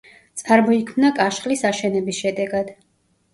წარმოიქმნა კაშხლის აშენების შედეგად.